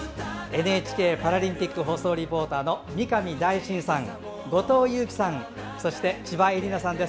ＮＨＫパラリンピック放送リポーターの三上大進さん、後藤佑季さんそして千葉絵里菜さんです。